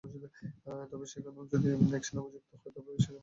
তবে সেখানেও যদি অ্যাকশন অভিযুক্ত হয়, তাদের নিয়ে আবারও কাজ করা হবে।